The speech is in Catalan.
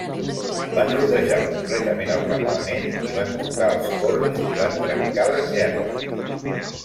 Van rodejar completament el campament i van tocar els corns i van trencar les gerres.